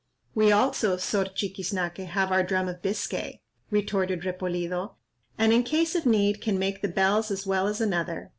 "We also, Sor Chiquiznaque, have our drum of Biscay," retorted Repolido, "and, in case of need, can make the bells as well as another.